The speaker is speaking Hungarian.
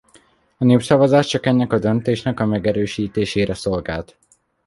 A népszavazás csak ennek a döntésnek a megerősítésére szolgált.